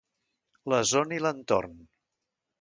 La zona i l'entorn